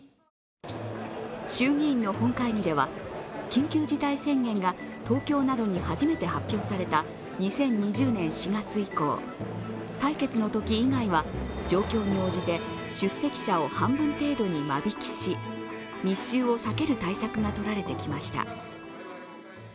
衆議院の本会議では緊急事態宣言が東京などに初めて発表された２０２０年４月以降、採決のとき以外は状況に応じて出席者を半分程度に間引きし密集を避ける対策がとられてきました。